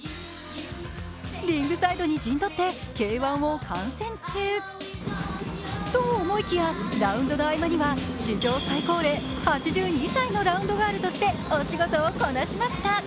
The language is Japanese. リングサイドに陣取って、Ｋ−１を観戦中。と思いきや、ラウンドの合間には史上最高齢、８２歳のラウンドガールとしてお仕事をこなしました。